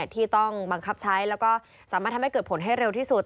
ที่ต้องบังคับใช้แล้วก็สามารถทำให้เกิดผลให้เร็วที่สุด